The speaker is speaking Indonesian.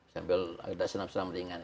sambil ada senap senap lingan